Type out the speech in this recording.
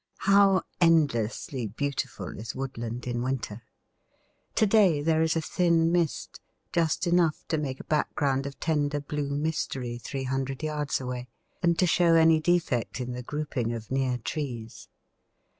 How endlessly beautiful is woodland in winter! To day there is a thin mist; just enough to make a background of tender blue mystery three hundred yards away, and to show any defect in the grouping of near trees.